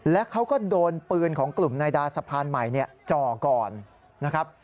และเขาก็โดนปืนของกลุ่มนายดาสะพานใหม่จ่อก่อนนะครับ